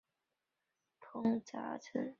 萝卜饺子在沸腾的油锅里烹炸而成。